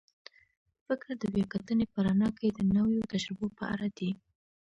فکر د بیا کتنې په رڼا کې د نویو تجربو په اړه دی.